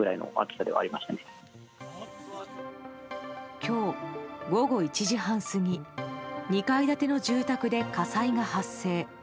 今日午後１時半過ぎ２階建ての住宅で火災が発生。